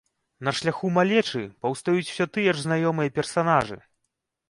На шляху малечы паўстаюць усё тыя ж знаёмыя персанажы.